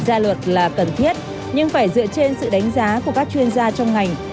ra luật là cần thiết nhưng phải dựa trên sự đánh giá của các chuyên gia trong ngành